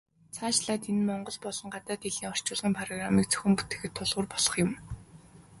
Цаашлаад энэ нь монгол болон гадаад хэлний орчуулгын программыг зохион бүтээхэд тулгуур болох юм.